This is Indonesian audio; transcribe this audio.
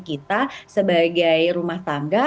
kita sebagai rumah tangga